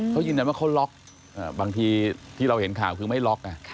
เขายืนยันว่าเขาล็อกบางทีที่เราเห็นข่าวคือไม่ล็อก